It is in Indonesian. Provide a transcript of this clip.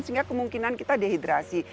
sehingga kemungkinan kita dehidrasi